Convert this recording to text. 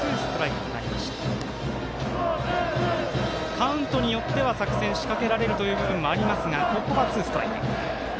カウントによっては作戦仕掛けられるという部分ありますがここはツーストライク。